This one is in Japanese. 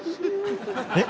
えっ？